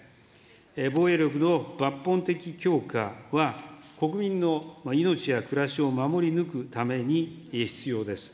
防衛力の抜本的強化は、国民の命や暮らしを守り抜くために必要です。